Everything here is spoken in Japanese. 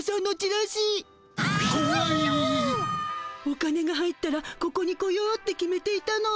お金が入ったらここに来ようって決めていたの。